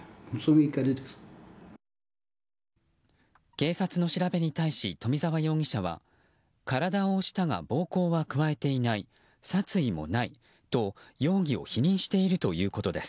警察の調べに対し冨澤容疑者は体を押したが暴行は加えていない殺意もないと容疑を否認しているということです。